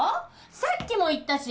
さっきも言ったし！